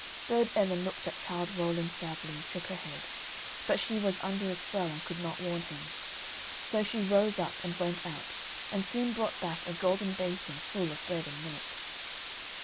Burd Ellen looked at Childe Rowland sadly, and shook her head, but she was under a spell, and could not warn him. So she rose up, and went out, and soon brought back a golden basin full of bread and milk.